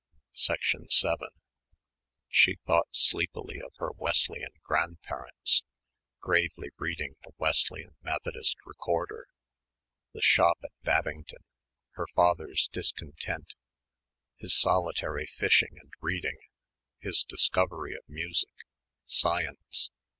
7 She thought sleepily of her Wesleyan grandparents, gravely reading the "Wesleyan Methodist Recorder," the shop at Babington, her father's discontent, his solitary fishing and reading, his discovery of music ... science